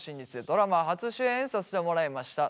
ドラマ初主演させてもらいました。